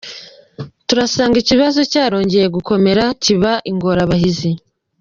"Turasanga ikibazo cyarongeye gukomera , kiba ingorabahizi.